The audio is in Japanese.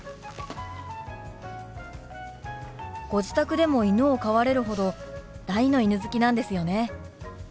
ご自宅でも犬を飼われるほど大の犬好きなんですよね。